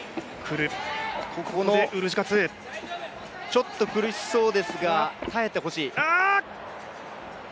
ちょっと苦しそうですが耐えてほしい。